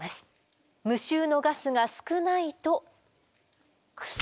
無臭のガスが少ないと。